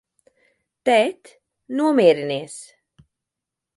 Tēt, nomierinies!